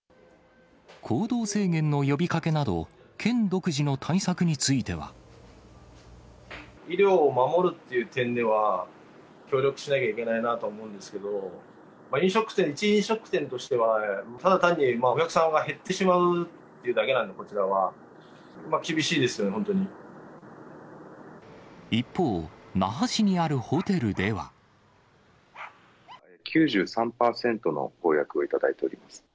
行動制限の呼びかけなど、医療を守るっていう点では、協力しなきゃいけないなと思うんですけど、一飲食店としては、ただ単にお客さんが減ってしまうっていうだけなんで、こちらは厳一方、那覇市にあるホテルで９３％のご予約を頂いております。